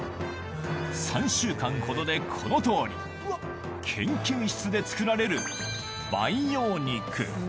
３週間ほどでこのとおり、研究室で作られる培養肉。